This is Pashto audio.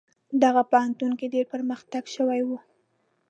دغه پوهنتون کې ډیر پرمختګ شوی و.